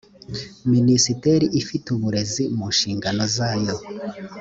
minisiteri ifite uburezi mu nshingano zayo